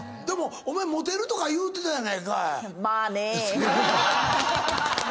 でもお前モテるとか言うてたやないかい。